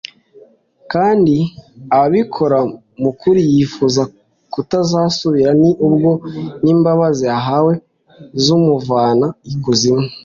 kandi akabikora m'ukuri yifuza kutazasubira. ni bwo n'imbabazi ahawe zimuvana ikuzimu